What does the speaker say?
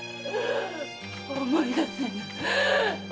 思い出せぬ！